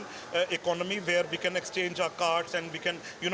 di mana kita bisa berpindahkan kartu